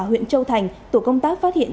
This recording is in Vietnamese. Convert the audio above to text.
huyện châu thành tổ công tác phát hiện